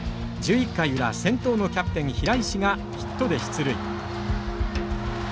１１回裏先頭のキャプテン平石がヒットで出塁。